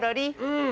うん。